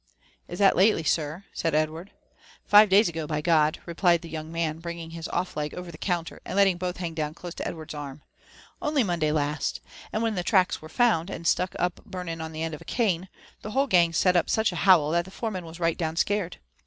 ''Is that lately, sir?" said Edward. ''Five days ago, by G^— dl" replied the young man, bringing his off leg over the counter, and letting both hang down close to Edward's arm, ^''only Monday last : and when the tracts were tbund, and stuck up burning upon the end of a cane, the whole gang set up such a howl that the foreman was right down scared.